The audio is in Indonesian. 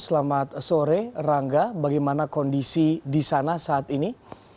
selamat sore rangga bagaimana kondisi di sana saat ini